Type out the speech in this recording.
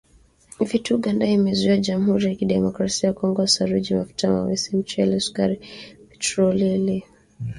Vitu Uganda imezuia Jamhuri ya Kidemokrasia ya Kongo ni saruji, mafuta ya mawese, mchele, sukari, petroli iliyosafishwa, bidhaa zilizopikwa, vipodozi na vifaa vya chuma.